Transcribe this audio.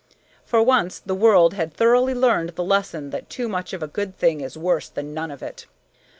For once the world had thoroughly learned the lesson that too much of a good thing is worse than none of it.